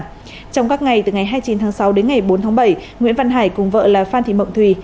trong các ngày từ ngày hai mươi chín tháng sáu đến ngày bốn tháng bảy nguyễn văn hải cùng vợ là phan thị mộng thùy